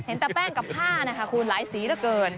แต่แป้งกับผ้านะคะคุณหลายสีเหลือเกิน